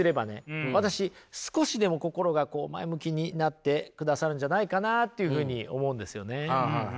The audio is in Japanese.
私少しでも心が前向きになってくださるんじゃないかなというふうに思うんですよね。